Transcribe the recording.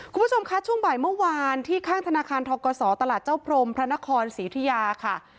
คุณผู้ชมคะช่วงบ่ายเมื่อวานที่ข้างธนาคารทกศตลาดเจ้าพรมพระนครศรีอุทิยาค่ะ